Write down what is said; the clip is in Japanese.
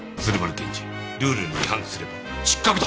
検事ルールに違反すれば失格だ！